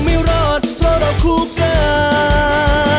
เพราะว่าเราคู่กัน